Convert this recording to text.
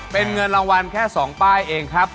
เป็นเงินรางวัลแค่๒ป้ายเองครับ